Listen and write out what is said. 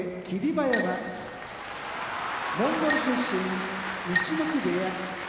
馬山モンゴル出身陸奥部屋